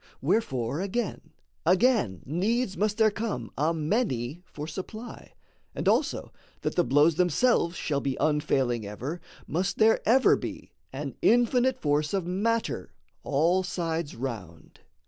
Wherefore, again, again: Needs must there come a many for supply; And also, that the blows themselves shall be Unfailing ever, must there ever be An infinite force of matter all sides round.